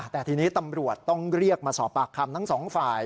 แต่ทีนี้ตำรวจต้องเรียกมาสอบปากคำทั้งสองฝ่าย